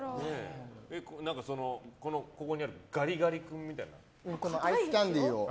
ここにあるガリガリ君みたいな？